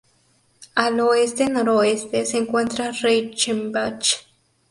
Al oeste-noroeste se encuentra Reichenbach.